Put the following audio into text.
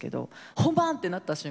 本番ってなった瞬間